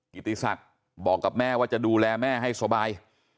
กิติศักดิ์บอกกับแม่ว่าจะดูแลแม่ให้สบาย